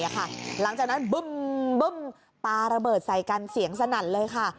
ที่เชียงใหม่หลังจากนั้นปาระเบิดใส่กันเสียงสนั่นเลยค่ะ